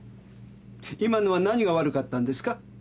今のは何が悪かったんですか？